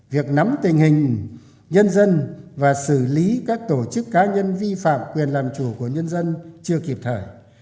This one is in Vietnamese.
việc nắm tình hình nhân dân và xử lý các tổ chức cá nhân vi phạm quyền làm chủ của nhân dân chưa kịp thời